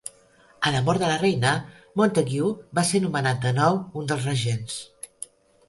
A la mort de la Reina, Montagu va ser nomenat de nou un dels regents.